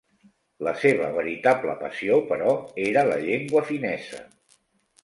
La seva veritable passió, però, era la llengua finesa.